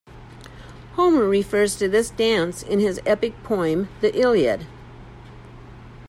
Homer refers to this dance in his epic poem, the "Iliad".